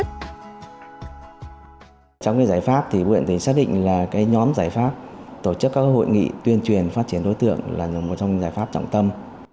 trong giải pháp thì huyện tỉnh xác định là nhóm giải pháp tổ chức các hội nghị tuyên truyền phát triển đối tượng là một trong giải pháp trọng tâm